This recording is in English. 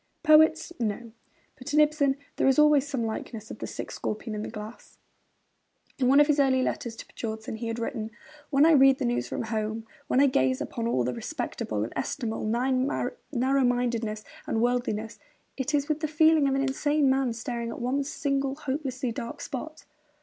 Poets, no; but in Ibsen there is always some likeness of the sick scorpion in the glass. In one of his early letters to Björnson, he had written: 'When I read the news from home, when I gaze upon all that respectable, estimable narrow mindedness and worldliness, it is with the feeling of an insane man staring at one single, hopelessly dark spot.'